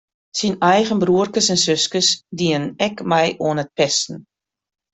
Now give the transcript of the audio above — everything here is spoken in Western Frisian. Syn eigen broerkes en suskes dienen ek mei oan it pesten.